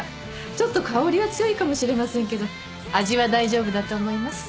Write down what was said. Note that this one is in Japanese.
ちょっと香りは強いかもしれませんけど味は大丈夫だと思います。